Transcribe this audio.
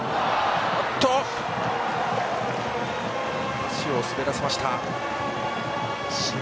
足を滑らせました。